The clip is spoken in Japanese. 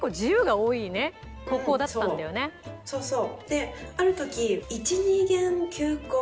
である時。